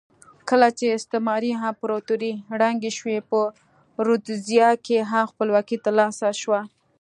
کله چې استعماري امپراتورۍ ړنګې شوې په رودزیا کې هم خپلواکي ترلاسه شوه.